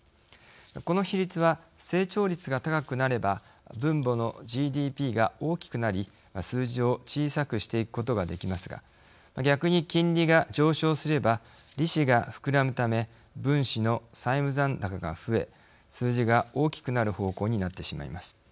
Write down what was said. この比率は、成長率が高くなれば分母のＧＤＰが大きくなり数字を小さくしていくことができますが逆に金利が上昇すれば利子が膨らむため分子の債務残高が増え数字が大きくなる方向になってしまいます。